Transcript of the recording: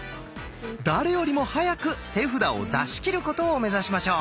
誰よりも早く手札を出し切ることを目指しましょう。